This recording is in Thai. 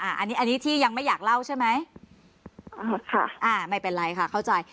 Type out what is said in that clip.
อันนี้อันนี้ที่ยังไม่อยากเล่าใช่ไหมอ่าค่ะอ่าไม่เป็นไรค่ะเข้าใจ